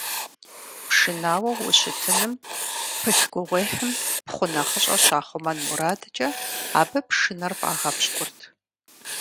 Пшынауэу ущытыным пылъ гугъуехьым пхъу нэхъыщӀэр щахъумэн мурадкӀэ, абы пшынэр фӀагъэпщкӀурт.